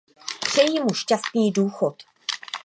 Přeji mu šťastný důchod.